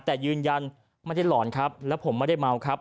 แต่ยืนยันไม่ได้หลอนครับและผมไม่ได้เมาครับ